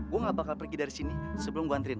gue gak bakal pergi dari sini sebelum gue anterin lo